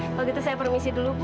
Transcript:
kalau gitu saya permisi dulu